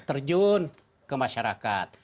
terjun ke masyarakat